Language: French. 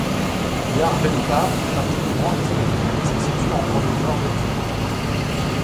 Järvenpää fait partie du Grand Helsinki et se situe en banlieue nord d'Helsinki.